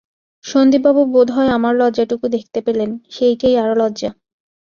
সন্দীপবাবু বোধ হয় আমার লজ্জাটুকু দেখতে পেলেন, সেইটেই আরো লজ্জা।